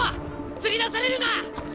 釣り出されるな！